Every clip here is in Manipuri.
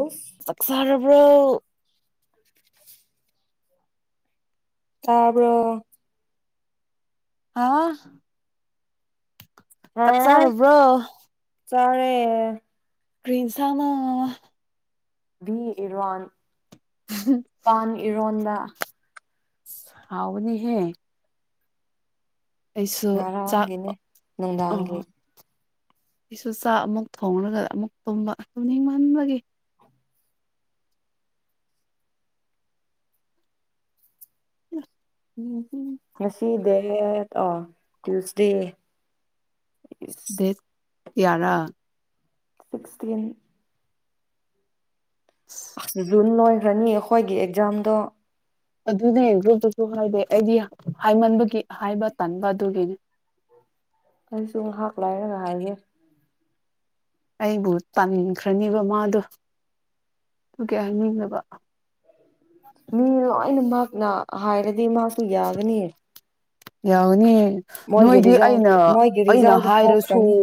ꯑꯁ ꯆꯥꯛꯆꯥꯔꯔꯕ꯭ꯔꯣ ꯇꯥꯕꯔꯣ ꯑꯥ ꯑꯥ ꯆꯥꯛꯆꯥꯥꯔꯕꯣ ꯆꯥꯔꯦ ꯀ꯭ꯔꯤ ꯏꯟꯁꯥꯡꯅꯣ ꯕꯤ ꯏꯔꯣꯟ ꯄꯥꯟ ꯏꯔꯣꯟꯕ ꯍꯥꯎꯕꯅꯤ ꯍꯦ ꯑꯩꯁꯨ ꯆꯥꯛ ꯉꯔꯥꯡꯒꯤꯅꯦ ꯑꯣ ꯅꯨꯡꯗꯥꯡꯒꯤ ꯑꯩꯁꯨ ꯆꯥꯛ ꯑꯃꯨꯛ ꯊꯣꯡꯂꯒ ꯑꯃꯨꯛ ꯇꯨꯝꯕ ꯇꯨꯝꯅꯤꯡꯕꯟꯕꯒꯤ ꯎ ꯎ ꯉꯁꯤ ꯗ ꯑꯣ ꯑ ꯇꯤꯌꯨꯁꯗꯦ ꯏꯁ ꯀ꯭ꯌꯥꯔꯥ ꯁꯤꯛꯁꯇꯤꯟ ꯑꯁ ꯖꯨꯟꯗ ꯑꯣꯏꯈ꯭ꯔꯅꯤ ꯑꯩꯈꯣꯏꯒꯤ ꯑꯦꯛꯖꯥꯝꯗꯣ ꯑꯗꯨꯅꯦ ꯒ꯭ꯔꯨꯞꯇꯁꯨ ꯍꯥꯏꯗꯦ ꯑꯩꯗꯤ ꯍꯥꯏꯃꯟꯕꯒꯤ ꯍꯥꯏꯕ ꯇꯥꯟꯕ ꯑꯗꯨꯒꯤꯅꯤ ꯑꯩꯁꯨꯨ ꯉꯥꯍꯛ ꯂꯩꯔꯒ ꯍꯥꯏꯒꯦ ꯑꯩꯕꯨ ꯇꯥꯅꯤꯡꯈ꯭ꯔꯅꯦꯕ ꯃꯥꯗꯣ ꯑꯗꯨꯒꯤ ꯍꯥꯏꯅꯤꯡꯗꯕ ꯃꯤ ꯂꯣꯏꯅ ꯃꯍꯥꯛꯅ ꯍꯥꯏꯔꯗꯤ ꯃꯍꯥꯛꯁꯨ ꯌꯥꯒꯅꯤ ꯌꯥꯎꯅꯤ ꯃꯣꯏꯒꯤ ꯅꯣꯏꯗꯤ ꯔꯤꯖꯜ ꯑꯩꯅ ꯃꯣꯏꯒꯤ ꯑꯩꯅ ꯔꯤꯖꯜꯗꯤ ꯍꯥꯏꯔꯁꯨ ꯊꯣꯛꯈ꯭ꯔꯅꯤ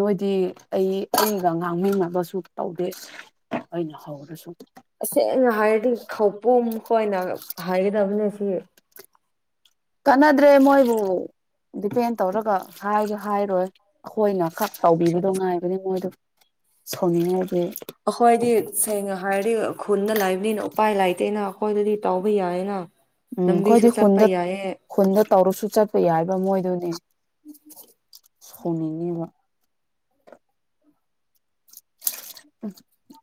ꯅꯣꯏꯗꯤ ꯑꯩ ꯉꯥꯡꯃꯤꯟꯅꯕꯁꯨ ꯇꯧꯗꯦ ꯑꯩꯅ ꯍꯧꯔꯁꯨ ꯇꯁꯦꯡ ꯅ ꯍꯥꯏꯗꯤ ꯈꯧꯄꯨꯝ ꯑꯩꯈꯣꯏꯅ ꯍꯥꯏꯒꯗꯕꯅꯦ ꯁꯤ ꯀꯥꯟꯅꯗ꯭ꯔꯦ ꯃꯣꯏꯕꯨ ꯗꯤꯄꯦꯟ ꯇꯧꯔꯒ ꯍꯥꯏ ꯍꯥꯏꯔꯣꯏ ꯑꯩꯈꯣꯏꯅ ꯈꯛ ꯇꯧꯕꯤꯕꯗꯣ ꯉꯥꯏꯕꯅꯦ ꯃꯣꯏꯗꯣ ꯁꯥꯎꯅꯤꯡꯉꯗꯤ ꯑꯩꯈꯣꯏꯗꯤ ꯁꯦꯡꯅ ꯍꯥꯏꯔꯗꯤ ꯈꯨꯗ ꯂꯥꯛꯏꯕꯅꯤꯅ ꯎꯄꯥꯏ ꯂꯩꯥꯏꯇꯦꯅ ꯑꯩꯈꯣꯏꯗꯗꯤ ꯇꯥꯎꯕ ꯌꯥꯏꯌꯦꯅ ꯎꯝ ꯂꯝꯕꯤꯁꯨ ꯀꯣꯏꯗꯤ ꯆꯠꯄ ꯈꯨꯟꯗ ꯌꯥꯏꯌꯦ ꯈꯨꯟꯗ ꯇꯧꯔꯁꯨ ꯆꯠꯄ ꯌꯥꯏꯕ ꯃꯣꯏꯗꯨꯗ ꯁꯥꯎꯅꯤꯡꯉꯦꯕ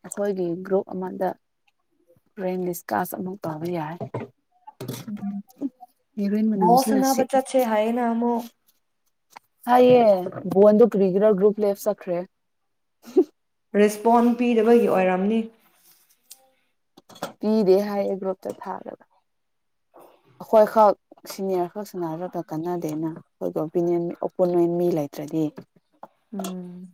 ꯑꯩꯈꯣꯏꯒꯤ ꯒ꯭ꯔꯨꯞ ꯑꯃꯗ ꯔꯦꯡ ꯂꯤꯁ ꯀꯥꯁ ꯑꯃꯛ ꯇꯧꯕ ꯌꯥꯏ ꯎꯝ ꯍꯦꯔꯣꯏꯟ ꯕꯣꯜ ꯃꯅꯝꯁꯤꯅ ꯁꯥꯟꯅꯕ ꯁꯤꯠꯂꯦ ꯆꯠꯁꯦ ꯍꯥꯏ ꯅ ꯑꯃꯨꯛ ꯍꯌꯦ ꯕꯣꯟꯗꯣ ꯀꯔꯤꯒꯔꯥ ꯒ꯭ꯔꯨꯞ ꯂꯦꯞ ꯆꯠꯈ꯭ꯔꯦ ꯔꯦꯁꯄꯣꯟ ꯄꯤꯗꯕꯒꯤ ꯑꯣꯏꯔꯝꯅꯤ ꯄꯤꯗꯦ ꯍꯥꯏꯌꯦ ꯒ꯭ꯔꯨꯞꯇ ꯊꯥꯒꯒ ꯑꯩꯈꯣꯏꯈꯛ ꯁꯤꯅꯤꯌꯔ ꯁꯅꯔ ꯀꯅꯥ ꯗꯅ ꯑꯩꯈꯣꯏꯒꯤ ꯑꯣꯄꯤꯅꯤꯌꯟ ꯑꯣꯄꯣꯅꯦꯟ ꯃꯤ ꯂꯩꯇ꯭ꯔꯗꯤ ꯎꯝ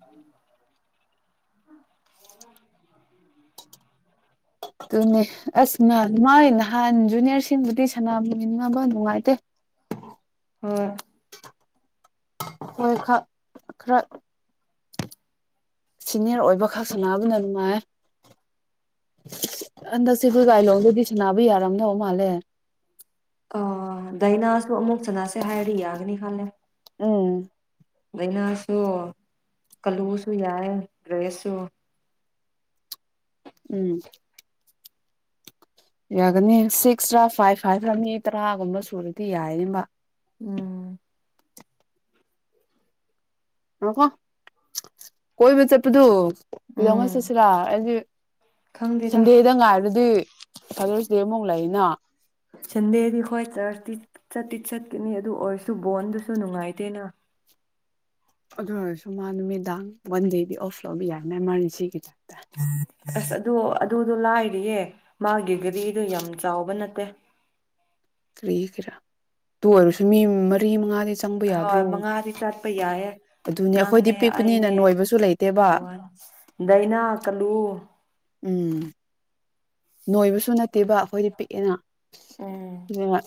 ꯑꯗꯨꯅꯦ ꯑꯁ ꯅꯍꯥꯟ ꯃꯥꯏ ꯅꯍꯥꯟ ꯖꯨꯅꯤꯌꯔꯁꯤꯡꯕꯨꯗꯤ ꯁꯥꯟꯃꯤꯕ ꯅꯨꯡꯉꯥꯏꯇꯦ ꯍꯣꯏ ꯍꯣꯏ ꯈ ꯈꯔ ꯁꯤꯅꯤꯌꯔ ꯑꯣꯏꯕ ꯈꯛ ꯁꯥꯟꯅꯕꯅ ꯅꯨꯡꯉꯥꯏ ꯍꯟꯗꯛꯁꯦ ꯑꯩꯈꯣꯏ ꯀꯥꯏꯂꯣꯗꯗꯤ ꯁꯥꯟꯅꯕ ꯌꯥꯔꯝꯗꯧ ꯃꯥꯜꯂꯦ ꯑꯥ ꯗꯥꯏꯅꯥꯁꯨ ꯑꯃꯨꯛ ꯁꯅꯥꯁꯦ ꯍꯥꯏꯔꯤ ꯌꯥꯒꯅꯤ ꯈꯜꯂꯦ ꯎꯝ ꯗꯥꯏꯅꯥꯁꯨ ꯀꯜꯂꯨꯁꯨ ꯌꯥꯏ ꯗ꯭ꯔꯦꯁꯁꯨ ꯎꯝ ꯌꯥꯒꯅꯤ ꯁꯤꯛꯁ꯭ꯔꯥ ꯐꯥꯏꯚ ꯐꯥꯏꯚ ꯔꯥ ꯃꯤ ꯇꯔꯥꯒꯨꯝꯕ ꯁꯨꯔꯗꯤ ꯌꯥꯏꯅ ꯎꯝ ꯉꯈꯣ ꯀꯣꯏꯕ ꯆꯠꯄꯗꯨ ꯎꯝ ꯀꯩꯗꯧꯉ ꯆꯠꯁꯤꯔꯥ ꯑꯩꯗꯤ ꯈꯪꯗꯦꯗ ꯁꯟꯗꯦꯗ ꯉꯥꯏꯔꯗꯤ ꯐꯗꯔ꯭ꯁ ꯗꯦ ꯑꯃꯨꯛ ꯂꯩꯅ ꯁꯟꯗꯦꯗꯤ ꯍꯣꯏ ꯆꯔꯆꯇꯤ ꯆꯠꯇꯤ ꯆꯠꯀꯅꯤ ꯑꯗꯨ ꯑꯣꯏꯔꯁꯨ ꯕꯣꯟꯗꯨꯁꯨ ꯅꯨꯡꯉꯥꯏꯇꯦꯅ ꯑꯗꯨ ꯑꯣꯏꯔꯁꯨ ꯃꯥ ꯅꯨꯃꯤꯠꯗꯥꯡ ꯃꯟꯗꯦꯗꯤ ꯑꯣꯐ ꯂꯧꯕ ꯌꯥꯏꯅꯦ [unintelligible] [inaudible] ꯑꯁ ꯑꯗꯨ ꯑꯗꯨꯗꯣ ꯂꯥꯏꯔꯤꯌꯦ ꯃꯥꯒꯤ ꯒꯥꯔꯤꯗꯣ ꯌꯥꯝ ꯆꯥꯎꯕ ꯅꯠꯇꯦ ꯀꯔꯤꯒꯤꯔ ꯑꯗꯨ ꯑꯣꯏꯔꯁꯨ ꯃꯤ ꯃꯔꯤ ꯃꯉꯥꯗꯤ ꯆꯪꯕ ꯍꯣꯏ ꯌꯥꯗ꯭ꯔꯣ ꯃꯉꯥꯗꯤ ꯆꯠꯄ ꯌꯥꯏꯌꯦ ꯑꯗꯨꯅꯦ ꯑꯩꯈꯣꯏꯗꯤ ꯅꯪꯅꯦ ꯄꯤꯛꯄꯅꯤꯅ ꯑꯩꯅꯦ ꯅꯣꯏꯕꯁꯨ ꯂꯩꯇꯦꯕ ꯗꯥꯏꯅꯥ ꯀꯥꯜꯂꯨ ꯎꯝ ꯅꯣꯏꯕꯁꯨ ꯅꯠꯇꯦꯕ ꯑꯩꯈꯣꯏꯗꯤ ꯄꯤꯛꯑꯦꯅ ꯎꯝ ꯑꯗꯨꯅ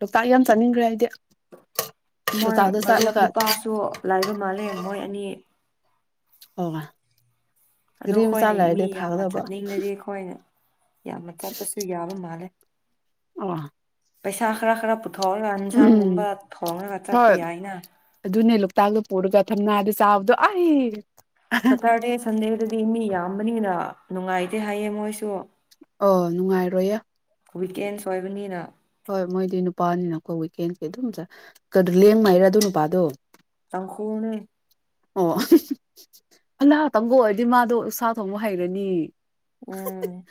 ꯂꯣꯛꯇꯥꯛ ꯌꯥꯝ ꯆꯥꯅꯤꯡꯈ꯭ꯔꯦ ꯍꯥꯏꯗꯤ ꯃꯣꯏ ꯃꯔꯨꯞ ꯅꯨꯄꯥꯁꯨ ꯂꯩꯕ ꯃꯜꯂꯦ ꯃꯣꯏ ꯑꯅꯤ ꯑꯣꯃꯥ ꯑꯗꯣ ꯑꯩꯈꯣꯏꯅ ꯃꯤ ꯌꯥꯝꯅ ꯆꯠꯅꯤꯡꯂꯗꯤ ꯑꯩꯈꯣꯏꯅ ꯌꯥꯝꯅ ꯆꯠꯄꯁꯨ ꯌꯥꯕ ꯃꯥꯜꯂꯦ ꯑꯣ ꯄꯩꯁꯥ ꯈꯔ ꯈꯔ ꯊꯣꯡꯛꯔꯒ ꯎꯝ ꯌꯦꯟꯁꯥꯡꯒꯨꯝꯕ ꯊꯣꯡꯔꯒ ꯆꯠꯄ ꯌꯥꯏꯅ ꯆꯥꯛꯀ ꯄꯨꯔꯒ ꯊꯝꯅꯗꯤ ꯁꯇꯥꯔꯗꯦ ꯁꯟꯗꯦꯗꯗꯤ ꯃꯤ ꯌꯥꯝꯕꯅꯤꯅ ꯅꯨꯡꯉꯥꯏꯇꯦ ꯍꯥꯏꯌꯦ ꯃꯣꯏꯁꯨ ꯑꯣ ꯅꯨꯡꯉꯥꯏꯔꯣꯏꯌꯦ ꯋꯤꯀꯦꯟꯁ ꯑꯣꯏꯕꯅꯤꯅ ꯍꯣꯏ ꯃꯣꯏꯗꯤ ꯅꯨꯄꯥꯅꯤꯅꯀꯣꯏ ꯋꯤꯛꯀꯦꯟꯁ ꯑꯗꯨꯝ ꯀꯥꯂꯦꯝꯗꯩꯔ ꯑꯗꯨ ꯅꯨꯄꯥꯗꯨ ꯇꯥꯡꯈꯨꯜꯅꯦ ꯑꯣ ꯑꯅꯥꯜ ꯇꯪꯒ ꯑꯣꯏꯔꯗꯤ ꯃꯥꯗꯣ ꯁꯥ ꯊꯣꯡꯕ ꯍꯩꯔꯅꯤ ꯎꯝ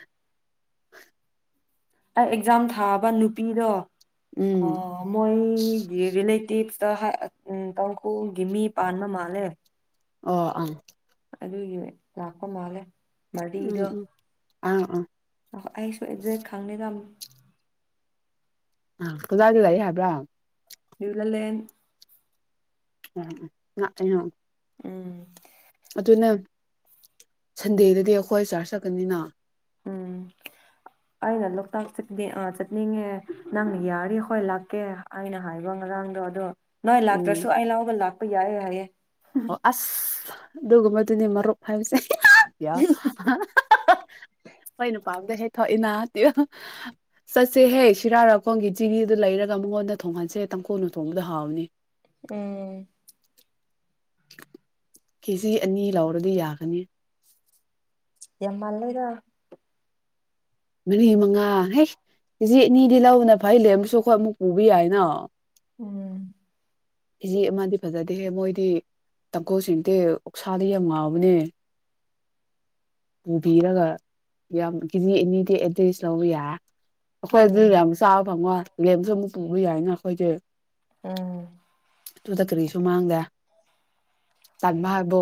[inaudible] ꯑꯩ ꯑꯦꯛꯖꯥꯝ ꯊꯥꯕ ꯅꯨꯄꯤꯗꯣ ꯎꯝ ꯑꯣ ꯃꯣꯏ ꯔꯤꯂꯦꯇꯤꯚ ꯑꯝ ꯍꯥꯏ ꯇꯥꯡꯈꯨꯜꯒꯤ ꯃꯤ ꯄꯥꯟꯕ ꯃꯥꯜꯂꯦ ꯑꯣ ꯑꯥ ꯑꯗꯨꯏꯒꯤ ꯂꯥꯛꯄ ꯃꯥꯜꯂꯦ ꯎꯝ ꯃꯔꯤꯗꯣ ꯎꯝ ꯑꯥ ꯑꯥ ꯑꯩꯁꯨ ꯑꯦꯛꯖꯦꯛ ꯈꯪꯗꯦꯗ ꯀꯗꯥꯥꯏꯗ ꯂꯩ ꯍꯥꯏꯕ꯭ꯔꯥ ꯗꯨꯂꯥꯂꯦꯟ [unintelligible] ꯎꯝ ꯑꯗꯨꯅ ꯁꯟꯗꯦꯗꯗꯤ ꯑꯩꯈꯣꯏ ꯆꯥꯔ ꯆꯠꯀꯅꯤꯅ ꯎꯝ ꯑꯩꯅ ꯂꯣꯛꯇꯥꯛ ꯆꯠꯅꯤꯡꯉꯦ ꯅꯪꯅ ꯌꯥꯔꯤ ꯍꯣꯏ ꯂꯥꯛꯀꯦ ꯑꯩꯅ ꯍꯥꯏꯕ ꯉꯔꯥꯡꯗꯣ ꯑꯗꯣ ꯃꯥ ꯎꯝ ꯂꯥꯛꯇ꯭ꯔꯁꯨ ꯑꯩ ꯂꯧꯎꯕ ꯂꯥꯛ ꯕ ꯌꯥꯢꯌꯦ ꯍꯥꯏꯌꯦ ꯑꯣ ꯑꯁ ꯑꯗꯨꯒꯨꯝꯕꯗꯨꯅꯦ ꯃꯔꯨꯞ ꯍꯥꯏꯕꯁꯦ ꯀ꯭ꯌꯥ ꯈꯣꯢꯅ ꯄꯥꯕꯗ ꯍꯦꯛ ꯊꯣꯛꯏꯅꯥ ꯇꯦꯑꯣ ꯆꯠꯁꯦꯍꯦ ꯁꯤꯔꯥꯔꯈꯣꯡꯒꯤ ꯆꯤꯔꯤꯗꯨ ꯂꯩꯔꯒ ꯃꯉꯣꯟꯗ ꯊꯣꯡꯍꯟꯁꯦ ꯇꯪꯈꯨꯜꯅ ꯊꯣꯡꯕꯗꯣ ꯍꯥꯎꯕꯅꯤ ꯎꯝ ꯀꯦꯖꯤ ꯑꯅꯤ ꯂꯧꯔꯗꯤ ꯌꯥꯒꯅꯤ ꯌꯥꯝꯃꯜ ꯂꯣꯢꯗ ꯃꯔꯤ ꯃꯉꯥ ꯍꯦ ꯀꯦꯖꯤ ꯑꯅꯤꯗꯤ ꯂꯧꯕꯅ ꯐꯩ ꯂꯦꯝꯕꯁꯨ ꯑꯩꯈꯣꯢ ꯑꯃꯨꯛ ꯄꯨꯕ ꯌꯥꯏꯅ ꯎꯝ ꯀꯦꯖꯤ ꯑꯃꯗꯤ ꯐꯖꯗꯦꯍꯦ ꯃꯣꯏꯗꯤ ꯇꯥꯡꯈꯨꯜꯁꯤꯡꯗꯤ ꯑꯣꯛꯁꯥꯗꯤ ꯌꯥꯝ ꯉꯥꯎꯕꯅꯦ ꯄꯨꯕꯤꯔꯒ ꯌꯥꯝ ꯀꯦꯖꯤ ꯑꯅꯤꯗꯤ ꯑꯦꯗꯂꯤꯁ ꯂꯧꯕ ꯌꯥꯢ ꯑꯩꯈꯣꯏ ꯑꯗꯨ ꯎꯝ ꯌꯥꯝ ꯆꯥꯕ ꯐꯪꯉꯣꯢ ꯂꯦꯝꯁꯨ ꯑꯃꯨꯛ ꯄꯨꯕ ꯌꯥꯏꯅ ꯑꯩꯈꯣꯏꯗꯤ ꯎꯝ ꯑꯗꯨꯗ ꯀꯔꯤꯁꯨ ꯃꯥꯡꯗꯦ ꯇꯟꯕ ꯍꯥꯏꯕꯨ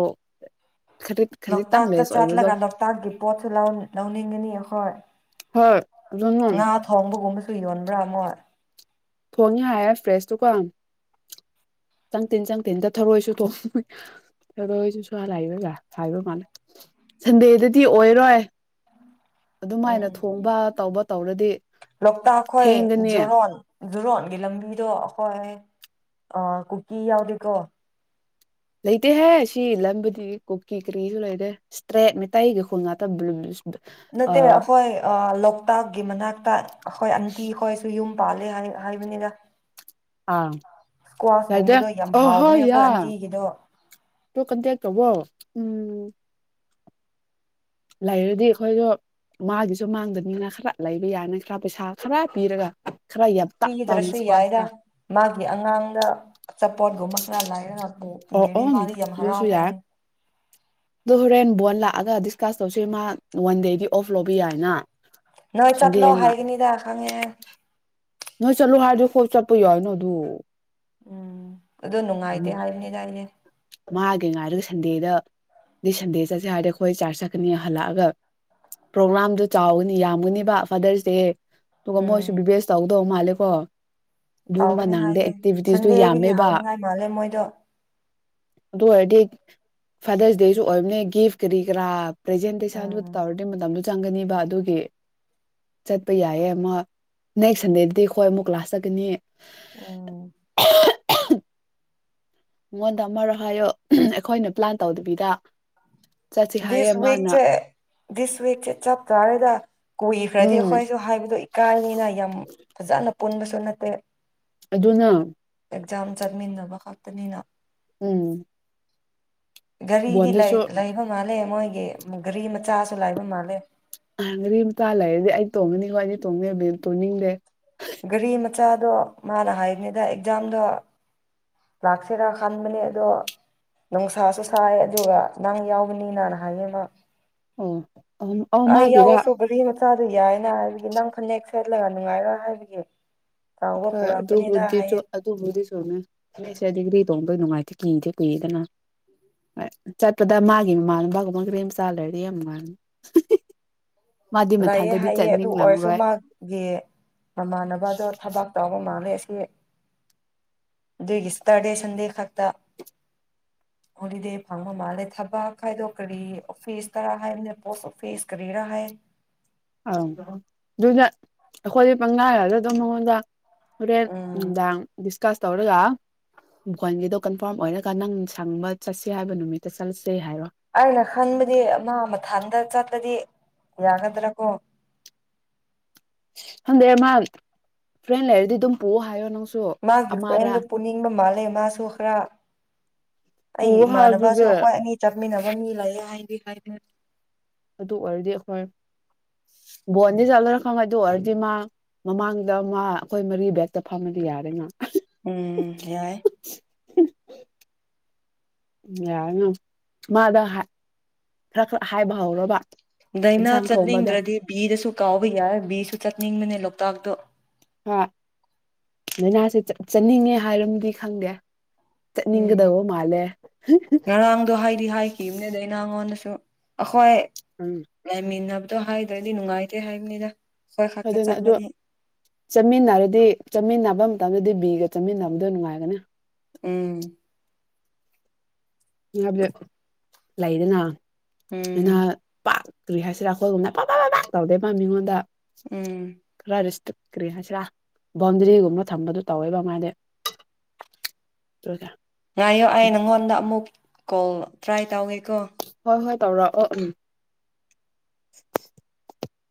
ꯈꯖꯤꯛ ꯈꯖꯤꯛꯇꯪ ꯂꯣꯛꯇꯥꯛꯇ ꯂꯦꯁ ꯑꯣꯏꯕꯗꯣ ꯆꯠꯂꯒ ꯂꯣꯛꯇꯥꯛꯀꯤ ꯄꯣꯠꯁꯨ ꯂꯧ ꯂꯧꯅꯤꯡꯉꯅꯤ ꯑꯩꯈꯣꯏ ꯍꯣꯏ ꯑꯗꯨꯅ ꯉꯥ ꯊꯣꯡꯕꯒꯨꯝꯕ ꯁꯨ ꯌꯣꯟꯕ꯭ꯔꯥ ꯃꯣꯏ ꯊꯣꯡꯉꯦ ꯍꯥꯏꯔꯦ ꯐ꯭ꯔꯦꯁꯇꯨꯀꯣ ꯆꯪ ꯇꯤꯟ ꯆꯪ ꯇꯤꯟꯗ ꯊꯔꯣꯏꯁꯨ ꯊꯣꯡꯉ ꯊꯧꯔꯣꯏꯁꯨ ꯑꯔꯥꯢꯕꯒ ꯍꯥꯢꯕ ꯃ ꯁꯟꯗꯦꯗꯗꯤ ꯑꯣꯏꯔꯣꯏ ꯎꯝ ꯑꯗꯨꯃꯥꯏꯅ ꯊꯣꯡꯕ ꯇꯧꯕ ꯇꯧꯔꯗꯤ ꯊꯦꯡꯒꯅꯤ ꯖꯨꯔꯣꯟꯒꯤ ꯂꯝꯕꯤꯗꯣ ꯑꯩꯈꯣꯏ ꯑ ꯀꯨꯀꯤ ꯌꯥꯎꯗꯦꯀꯣ ꯂꯩꯇꯦꯍꯦ ꯁꯤ ꯂꯝꯕꯤꯗꯤ ꯀꯨꯀꯤ ꯀꯔꯤꯁꯨ ꯂꯩꯇꯦ ꯏꯁꯇ꯭ꯔꯦꯠ ꯃꯩꯇꯩꯒꯤ ꯈꯨꯜ ꯉꯥꯛꯇ ꯕꯂꯨ ꯅꯠꯇꯦ ꯑꯩꯈꯣꯏ ꯑ ꯂꯣꯛꯇꯥꯛꯀꯤ ꯃꯅꯥꯛꯇ ꯑꯩꯈꯣꯏ ꯑꯟꯇꯤ ꯈꯣꯏꯁꯨ ꯌꯨꯝ ꯄꯥꯂꯦ ꯍꯥꯏ ꯍꯥꯏꯕꯅꯤꯗ ꯑꯥ ꯑꯗ ꯏꯁꯀ꯭ꯋꯥꯁꯒꯨꯝꯕꯗꯣ ꯌꯥꯝ ꯑꯣ ꯍꯣ ꯍꯥꯎꯕꯅꯦ ꯌꯥ ꯑꯩꯈꯣꯏ ꯑꯟꯇꯤꯒꯤꯗꯣ ꯗꯨ ꯀꯟꯇꯦꯛ ꯇꯧꯑꯣ ꯎꯝ ꯂꯩꯔꯗꯤ ꯑꯩꯈꯣꯏꯗꯣ ꯃꯥꯒꯤꯁꯨ ꯃꯥꯡꯗꯅꯤꯅ ꯈꯔ ꯂꯩꯕ ꯌꯥꯅꯤ ꯈꯔ ꯄꯩꯁꯥ ꯈꯔ ꯄꯤꯔꯒ ꯈꯔ ꯌꯥꯝ ꯇꯞ ꯇꯞꯅ ꯄꯤꯗ꯭ꯔꯁꯨ ꯌꯥꯏꯗ ꯏꯁꯀ꯭ꯋꯥꯁꯇ ꯃꯥꯒꯤ ꯑꯉꯥꯡꯗ ꯑꯆꯥꯄꯣꯠꯒꯨꯝꯕ ꯈꯔ ꯂꯥꯏꯔꯒꯄꯨ ꯑꯣ ꯄꯤꯔꯔꯤ ꯃꯥꯗꯤ ꯌꯥꯝ ꯍꯔꯥꯎꯈ꯭ꯔꯅꯤ ꯗꯣ ꯍꯣꯔꯦꯟ ꯕꯣꯟ ꯂꯥꯛꯑꯒ ꯗꯤꯁ ꯀꯥꯁꯟ ꯇꯧꯁꯦ ꯃꯥ ꯋꯥꯟ ꯗꯦꯒꯤ ꯅꯣꯏ ꯆꯠ ꯂꯣ ꯉꯥ ꯍꯥꯏꯒꯅꯤꯗ ꯈꯡꯉꯦ ꯑꯩ ꯅꯣꯏ ꯆꯠꯂꯣ ꯍꯥꯏꯔꯗꯤ ꯀꯣꯛ ꯆꯠꯄ ꯌꯥꯏꯅ ꯑꯗꯨ ꯎꯝ ꯑꯗꯨ ꯅꯨꯡꯉꯥꯏꯇꯦ ꯎꯝ ꯍꯥꯏꯕꯅꯤꯗ ꯑꯩꯗꯤ ꯃꯥꯒꯤ ꯉꯥꯏꯔꯒ ꯁꯟꯗꯦꯗ ꯗꯤ ꯁꯟꯗꯦ ꯆꯠꯁꯦ ꯍꯥꯏꯔꯗꯤ ꯑꯩꯈꯣꯏ ꯆꯥꯔꯆ ꯆꯠꯀꯅꯤ ꯍꯜꯂꯛꯑꯒ ꯄ꯭ꯔꯣꯒ꯭ꯔꯥꯝꯗꯣ ꯆꯥꯎꯒꯅꯤ ꯌꯥꯝꯒꯅꯤꯕ ꯐꯥꯗꯔꯁ ꯗꯦ ꯇꯨꯒ ꯃꯣꯏꯁꯨ ꯎꯝ ꯕꯤꯕꯤ ꯑꯦꯁ ꯇꯧꯗꯣ ꯃꯥꯂꯦꯕꯣ ꯀꯣ ꯇꯧꯒꯅꯤ ꯍꯥꯏꯌꯦ ꯁꯟꯗꯦꯗꯒꯤ ꯌꯥꯝꯃꯦꯕ ꯍꯥꯎꯅꯤꯉꯥꯏ ꯃꯥꯜꯂꯦ ꯃꯣꯏꯗꯣ ꯑꯗꯨ ꯑꯣꯏꯔꯗꯤ ꯐꯥꯗꯔꯁ ꯗꯦꯁꯨ ꯑꯣꯏꯕꯅꯦ ꯒꯤꯐ ꯀꯔꯤ ꯀꯔꯥ ꯄ꯭ꯔꯦꯖꯦꯟꯗꯦꯁꯟꯗꯣ ꯎꯝ ꯇꯧꯔꯗꯤ ꯃꯇꯝꯗꯨ ꯆꯪꯒꯅꯤꯕ ꯑꯗꯨꯒꯤ ꯆꯠꯄ ꯌꯥꯏꯌꯦ ꯃ ꯅꯦꯛꯁ ꯁꯟꯗꯦꯗꯗꯤ ꯑꯣꯏ ꯑꯃꯨꯛ ꯀ꯭ꯂꯥꯁ ꯆꯠꯀꯅꯤ ꯑꯣ ꯃꯉꯣꯟꯗ ꯑꯃꯔꯛ ꯍꯥꯏꯌꯣ ꯑꯩꯈꯣꯏꯅ ꯄ꯭ꯂꯥꯟ ꯇꯧꯗꯕꯤꯗ ꯆꯠꯁꯤ ꯍꯥꯏꯌꯦ ꯗꯤꯁ ꯃꯥꯅ ꯋꯤꯛꯆꯦ ꯗꯤꯁ ꯋꯤꯛꯆꯦ ꯆꯞ ꯆꯥꯔꯦꯗ ꯀꯨꯏꯈ꯭ꯔꯗꯤ ꯎꯝ ꯑꯩꯈꯣꯏꯁꯨ ꯍꯥꯏꯕꯗꯣ ꯏꯀꯥꯏꯅꯤꯅ ꯌꯥꯝ ꯐꯖꯅ ꯄꯨꯟꯕꯁꯨ ꯅꯠ ꯇꯦ ꯑꯗꯨꯅ ꯑꯦꯛꯖꯥꯝ ꯆꯠꯃꯤꯟꯅꯕ ꯈꯛꯇꯅꯤꯅ ꯎꯝ ꯒꯥꯔꯤꯗꯤ ꯂꯩ ꯕꯣꯟꯗꯨꯁꯨ ꯂꯩ ꯃꯥꯜꯂꯦ ꯃꯣꯏꯒꯤ ꯒꯔꯤ ꯃꯆꯥꯁꯨ ꯂꯩꯕ ꯃꯥꯜꯂꯦ ꯑ ꯗꯒꯤ ꯅꯨꯄꯥ ꯂꯩꯔꯗꯤ ꯑꯩ ꯇꯣꯡꯉꯅꯤꯀꯣ ꯑꯩꯗꯤ ꯇꯣꯡꯕꯌꯕꯤ ꯇꯣꯡꯅꯤꯡꯗꯦ ꯒꯥꯔꯤ ꯃꯆꯥꯗꯣ ꯃꯥꯅ ꯍꯥꯏꯔꯤꯅꯤꯗ ꯑꯦꯛꯖꯥꯝꯗꯣ ꯂꯥꯛꯁꯤꯔꯥ ꯈꯟꯕꯅꯦ ꯑꯗꯣ ꯅꯨꯡꯁꯥꯁꯨ ꯁꯥꯏ ꯑꯗꯨꯒ ꯅꯪ ꯌꯥꯎꯕꯅꯤꯅ ꯍꯥꯏꯌꯦ ꯃꯥ ꯑꯣ ꯑꯧ ꯑꯩ ꯃꯥꯒꯤꯔ ꯑꯥꯎꯔꯁꯨ ꯒꯔꯤ ꯃ ꯃꯆꯥꯗꯨ ꯌꯥꯏꯌꯦꯅ ꯍꯥꯏꯕꯒꯤ ꯅꯪ ꯐꯅꯦꯛ ꯁꯦꯠꯂꯒ ꯅꯨꯡꯉꯥꯏꯔꯣꯏ ꯍꯥꯏꯕꯒꯤ ꯆꯥꯎꯕ ꯑ ꯄꯨꯔꯛꯄꯅꯤꯗ ꯑꯗꯨꯕꯨꯗꯤ ꯆꯣ ꯍꯥꯏꯌꯦ ꯑꯨꯗꯨꯕꯨꯗꯤ ꯆꯨꯝꯃꯦ ꯐꯅꯦꯛ ꯁꯦꯠꯂꯗꯤ ꯇꯣꯡꯗꯩ ꯅꯨꯡꯉꯥꯏꯇꯦ ꯀꯤꯗꯦ ꯀꯨꯏꯗꯅ ꯑꯦ ꯆꯠꯄꯗ ꯃꯥꯒꯤ ꯃꯃꯥꯟꯅꯕꯒꯨꯝꯕ ꯒꯔꯤ ꯃꯆꯥ ꯂꯩꯔꯗꯤ ꯌꯥꯝ ꯅꯨꯡꯉꯥꯏꯅꯤ ꯃꯥꯗꯤ ꯂꯥꯛꯑꯦ ꯃꯊꯟꯗꯗꯤ ꯍꯥꯏꯌꯦ ꯑꯗꯨ ꯑꯣꯏꯔꯁꯨ ꯆꯠꯅꯤꯡꯂꯝꯔꯣꯏ ꯃꯥꯒꯤ ꯃꯃꯥꯟꯅꯕꯗꯣ ꯊꯕꯛ ꯇꯧꯕ ꯃꯥꯜꯂꯦ ꯑꯗꯨꯒꯤ ꯁꯇꯔꯗꯦ ꯁꯟꯗꯦ ꯈꯛꯇ ꯍꯣꯂꯤꯗꯦ ꯐꯪꯕ ꯃꯥꯜꯂꯦ ꯊꯕꯛ ꯍꯥꯏꯗꯣ ꯀꯔꯤ ꯑꯣꯐꯤꯁ ꯇꯔ ꯍꯥꯏꯕꯅꯦ ꯄꯣꯁ ꯑꯣꯐꯤꯁ ꯀꯔꯤꯔꯥ ꯍꯥꯏ ꯑ ꯑꯗꯨꯗ ꯑꯩꯈꯣꯏꯗꯤ ꯄꯪꯅꯥꯔꯒ ꯑꯗꯨꯝ ꯃꯉꯣꯟꯗ ꯍꯣꯔꯦꯟ ꯎꯝ ꯅꯨꯡꯗꯥꯡ ꯗꯤꯁ ꯀꯥꯁ ꯇꯧꯔꯒ ꯚꯣꯏꯟꯒꯤꯗꯣ ꯀꯟꯐꯥꯔꯝ ꯑꯣꯏꯔꯒ ꯅꯪ ꯁꯪꯕ ꯆꯠꯁꯦ ꯍꯥꯏꯕ ꯅꯨꯃꯤꯠꯇ ꯆꯠꯂꯁꯦ ꯍꯥꯏꯔꯣ ꯑꯩꯅ ꯈꯟꯕꯗꯤ ꯃꯥ ꯃꯊꯟꯗ ꯆꯠꯄꯗꯤ ꯌꯥꯒꯗ꯭ꯔꯀꯣ ꯈꯪꯗꯦ ꯃꯥ ꯐ꯭ꯔꯦꯟ ꯂꯩꯔꯗꯤ ꯑꯗꯨꯝ ꯄꯨꯑꯣ ꯍꯥꯏꯌꯣ ꯅꯪ ꯃꯥꯒꯤ ꯐ꯭ꯔꯦꯟꯗꯣ ꯄꯨꯅꯤꯡꯕ ꯃꯥꯜꯂꯦ ꯃꯥꯁꯨ ꯈꯔ ꯄꯨ ꯑꯩ ꯏꯃꯥꯟꯅꯕꯁꯨ ꯍꯥꯏꯗꯨꯒꯤ ꯑꯩꯈꯣꯏ ꯑꯅꯤ ꯆꯠꯃꯤꯟꯅ ꯑꯅꯤ ꯂꯩ ꯌꯦ ꯍꯥꯏꯗꯤ ꯀꯥꯏꯗꯦ ꯑꯗꯨ ꯑꯣꯏꯔꯗꯤ ꯑꯩꯈꯣꯏ ꯕꯣꯟꯗꯤ ꯆꯠꯂꯣꯏꯔ ꯈꯪ ꯑꯗꯨ ꯑꯣꯏꯔꯗꯤ ꯃꯥ ꯃꯃꯥꯡꯗ ꯃꯥ ꯑꯩꯈꯣꯏ ꯃꯔꯤ ꯕꯦꯛꯇ ꯐꯝꯃꯗꯤ ꯌꯥꯔꯦꯅꯥ ꯎꯝ ꯌꯥꯏ ꯌꯥꯔꯅꯤ ꯃꯥꯗ ꯍ ꯥ ꯈꯔ ꯈꯔ ꯍꯥꯏꯕ ꯍꯧꯔꯣꯕ ꯗꯥꯏꯅꯥ ꯆꯠꯅꯤꯡꯗ꯭ꯔꯗꯤ ꯕꯤ ꯗꯨꯁꯨ ꯀꯥꯎꯕ ꯌꯥꯏ ꯕꯤ ꯁꯨ ꯆꯠꯅꯤꯡ ꯃꯂꯦ ꯂꯣ ꯇꯥꯛꯇ ꯑꯥ ꯂꯥꯏꯅꯥꯁꯦ ꯆꯠꯅꯤꯡꯉꯦ ꯍꯥꯏꯔꯝꯗꯤ ꯈꯪꯗꯦ ꯎꯝ ꯆꯠꯅꯤꯡꯒꯗꯧꯕ ꯃꯥꯜꯂꯦ ꯉꯔꯥꯡꯗꯣ ꯍꯥꯏꯗꯤ ꯍꯥꯏꯈꯤꯕꯅꯦ ꯅꯉꯣꯟꯗꯁꯨ ꯍꯣꯏ ꯎꯝ ꯂꯩꯃꯤꯟꯅꯕꯗ ꯑꯣ ꯍꯥꯏꯗ꯭ꯔꯣꯏꯗꯤ ꯅꯨꯡꯉꯥꯏꯇꯦ ꯍꯥꯏꯕꯅꯤꯅ ꯑꯗꯨꯅ ꯑꯗꯨ ꯆꯠꯃꯤꯟꯅꯔꯗꯤ ꯆꯠꯃꯤꯟꯅꯐꯝ ꯃꯇꯝꯗꯗꯤ ꯕꯤꯒ ꯆꯠꯃꯤꯟꯅꯕꯗꯣ ꯅꯨꯡꯉꯥꯏꯒꯅꯤ ꯎꯝ ꯍꯥꯏꯕꯗꯤ ꯂꯩꯗꯅ ꯑꯩꯅ ꯎꯝ ꯄꯥꯛ ꯀꯨꯔꯤ ꯍꯥꯏꯁꯤꯔ ꯑꯩꯈꯣꯏꯒꯨꯝꯕꯅ ꯄꯕ ꯕꯠ ꯇꯧꯗꯦꯕ ꯃꯤꯉꯣꯟꯗ ꯎꯝ ꯈꯔꯔꯤꯁꯇ ꯀꯔꯤ ꯍꯥꯏꯁꯤꯔꯥ ꯕꯥꯎꯟꯗꯔꯤꯒꯨꯝꯕ ꯊꯝꯕꯗꯨ ꯇꯧꯋꯦꯕ ꯃꯥꯗꯤ ꯉꯥꯏꯌꯨ ꯑꯩ ꯅꯪꯉꯣꯟꯗ ꯑꯃꯨꯛ ꯀꯣꯜ ꯇ꯭ꯔꯥꯏ ꯇꯧꯋꯦꯀꯣ ꯍꯣꯏ ꯍꯣꯏ ꯇꯧꯔꯛꯥꯛꯑꯣ ꯎꯝ